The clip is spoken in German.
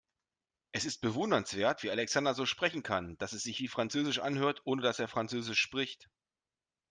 Es ist bewundernswert, wie Alexander so sprechen kann, dass es sich wie französisch anhört, ohne dass er französisch spricht.